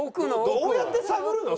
どうやって探るの？